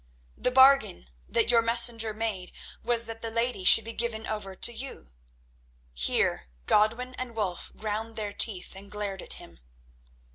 The bargain that your messenger made was that the lady should be given over to you—" Here Godwin and Wulf ground their teeth and glared at him.